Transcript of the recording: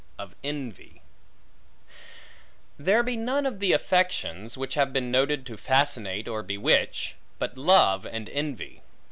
Of Envy THERE be none of the affections, which have been noted to fascinate or bewitch, but love and envy.